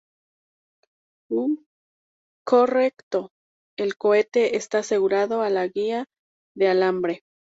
Uh, correcto. El cohete esta asegurado a la guia de alambre.